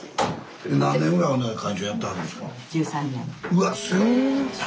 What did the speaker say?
うわっ。